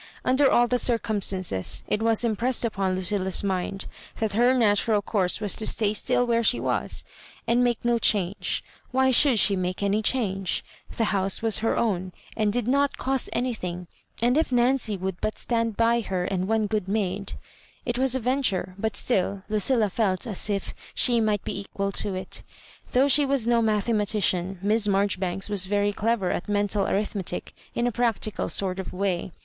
Under all the circumstances, it was im pressed upon Lucilla's mind that her natural course was to stay still where she was, and make no change. Why should she make any change? The house was her own, and did not cost any thing, and if Nancy would but stand by her and one good maid It was a venture ; but still Lucilla felt as if she might be equal to it Though she was no mathematician. Miss Marjoribanks was very clever at mental arithmetic in a practical sort of way.